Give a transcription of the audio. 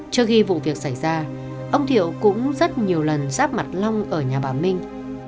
trước khi vụ việc xảy ra ông thiệu cũng rất nhiều lần ráp mặt long ở nhà bà minh